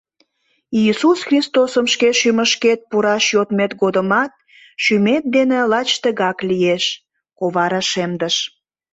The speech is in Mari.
— Иисус Христосым шке шӱмышкет пураш йодмет годымат шӱмет дене лач тыгак лиеш, — кова рашемдыш.